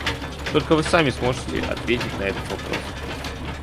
Только вы сами сможете ответить на этот вопрос.